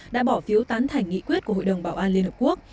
đã bỏ phiếu tán thành nghị quyết của hội đồng bảo an liên hợp quốc